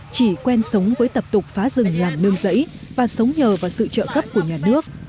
chỉ quen sống với tập tục phá rừng làm nương dẫy và sống nhờ vào sự trợ cấp của nhà nước